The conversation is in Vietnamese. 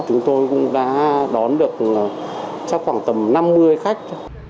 chúng tôi cũng đã đón được cho khoảng tầm năm mươi khách